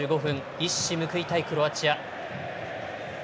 一矢報いたいクロアチア。